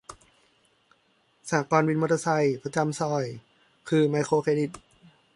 สหกรณ์วินมอเตอร์ไซค์ประจำซอย คือไมโครเครดิต